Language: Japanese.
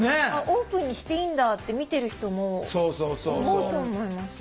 オープンにしていいんだって見てる人も思うと思います。